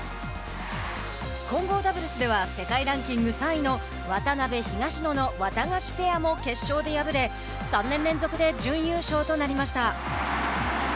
混合ダブルスでは世界ランキング３位の渡辺、東野のワタガシペアも決勝で敗れ３年連続で準優勝となりました。